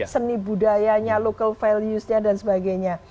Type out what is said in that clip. seni budayanya local values nya dan sebagainya